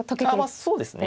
そうですね。